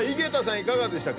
いかがでしたか？